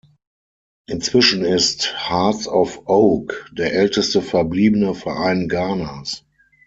Inzwischen ist Hearts of Oak der älteste verbliebene Verein Ghanas.